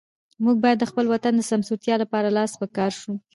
موږ باید د خپل وطن د سمسورتیا لپاره لاس په کار شو.